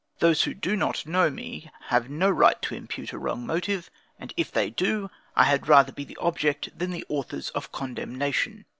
Those who do not know me, have no right to impute a wrong motive; and if they do, I had rather be the object, than the authors of condemnation.